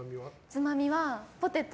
つまみはポテト。